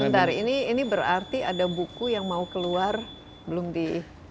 sebentar ini berarti ada buku yang mau keluar belum di